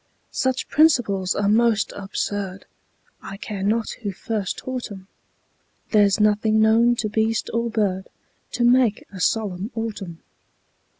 Such principles are most absurd, I care not who first taught 'em; There's nothing known to beast or bird To make a solemn autumn.